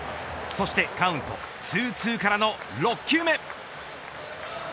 そして、カウント２−２からの６球目。